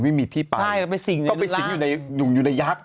ไม่มีที่ไปก็ไปสิงอยู่ในยักษ์